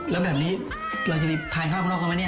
แล้วแบบนี้เราจะมีทายข้าวครอบครัวไหมเนี่ย